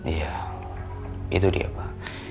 iya itu dia pak